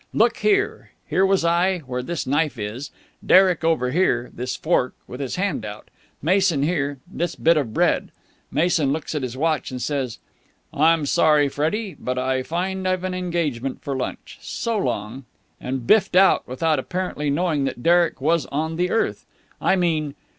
Look here. Here was I, where this knife is. Derek over here this fork with his hand out. Mason here this bit of bread. Mason looks at his watch, and says 'I'm sorry, Freddie, but I find I've an engagement for lunch. So long!' and biffed out, without apparently knowing that Derek was on the earth. I mean...."